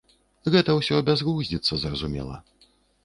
Гэта ўсё бязглуздзіца, зразумела.